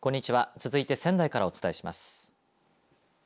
続いて仙台からお伝えします。